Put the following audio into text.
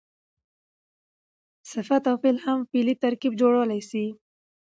صفت او فعل هم فعلي ترکیب جوړولای سي.